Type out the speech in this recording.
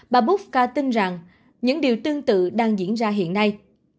bà boska tin rằng những điều tương tự đang diễn ra hiện nay